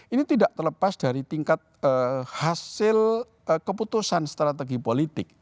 ini tidak terlepas dari tingkat hasil keputusan strategi politik